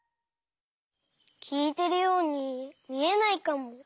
きいてるようにみえないかも。